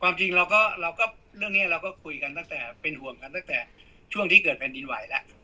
จริงเราก็เราก็เรื่องนี้เราก็คุยกันตั้งแต่เป็นห่วงกันตั้งแต่ช่วงที่เกิดแผ่นดินไหวแล้ว